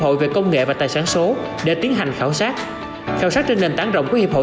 hội về công nghệ và tài sản số để tiến hành khảo sát khảo sát trên nền tảng rộng của hiệp hội